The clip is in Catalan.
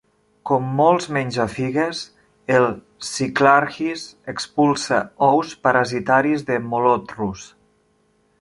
Com molts menjafigues, el cyclarhis expulsa ous parasitaris de molothrus.